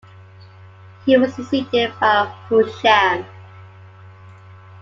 He was succeeded by Husham.